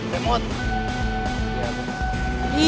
dia mau tuh